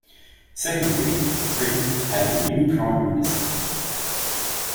Secondly, Britain had a new Prime Minister.